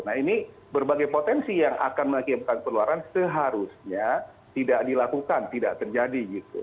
nah ini berbagai potensi yang akan mengakibatkan penularan seharusnya tidak dilakukan tidak terjadi gitu